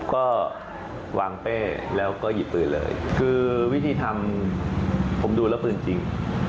ก็วางเป้แล้วก็หยิบปืนเลยคือวิธีทำผมดูแล้วปืนจริง